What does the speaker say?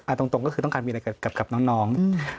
ตรงก็คือต้องการมีอะไรกับน้อง